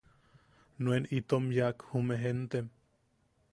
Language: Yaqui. Nuen itom yaak jume jentem.